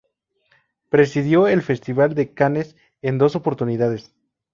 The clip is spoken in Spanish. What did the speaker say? Presidió el Festival de Cannes en dos oportunidades.